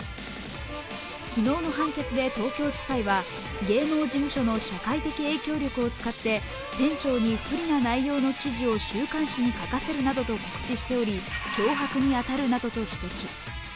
昨日の判決で東京地裁は芸能事務所の社会的影響力を使って店長に不利な内容の記事を週刊誌に書かせるなどと告知しており、脅迫に当たるなどと指摘。